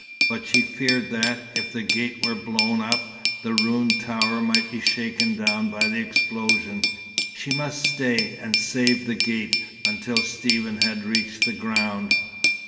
But she feared that, if the gate were blown up, the ruined tower might be shaken down by the explosion. She must stay, and save the gate, until Stephen had reached the ground.